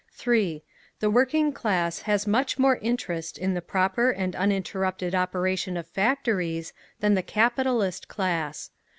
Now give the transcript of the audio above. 3. The working class has much more interest in the proper and uninterrupted operation of factories… than the capitalist class.